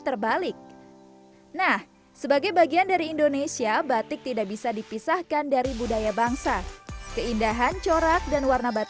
terbalik nah sebagai bagian dari indonesia batik tidak bisa dipisahkan dari budaya bangsa keindahan